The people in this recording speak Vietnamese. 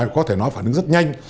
có thể nói phản ứng rất nhanh